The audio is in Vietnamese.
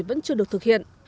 vẫn chưa được thực hiện